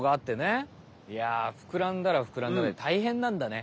いやふくらんだらふくらんだで大変なんだね。